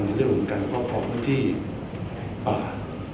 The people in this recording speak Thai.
ในเรื่องของการครอบครองพื้นที่ป่า